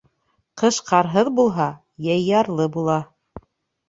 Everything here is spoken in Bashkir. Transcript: Ҡыш ҡарһыҙ булһа, йәй ярлы була.